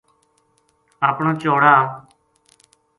اپنا چوڑا